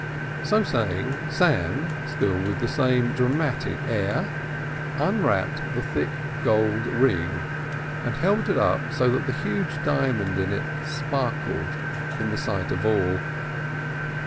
So saying, Sam, still with the same dramatic air, unwrapped the thick gold ring and held it up so that the huge diamond in it sparkled in the sight of all.